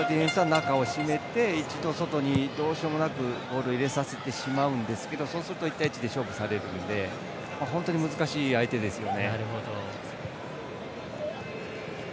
ディフェンスは中を締めて一度外にどうしようもなくボールを入れさせてしまうんですけど、そうすると１対１で勝負されるので本当に難しい相手ですね。